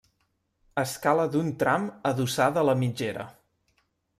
Escala d'un tram adossada a la mitgera.